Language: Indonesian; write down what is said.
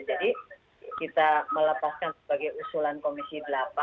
jadi kita melepaskan sebagai usulan komisi delapan